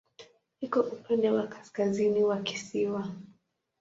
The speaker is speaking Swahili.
Iko upande wa kaskazini wa kisiwa.